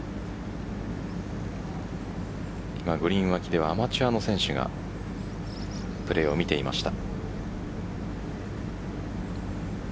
今、グリーン脇ではアマチュアの選手がプレーを見ていました。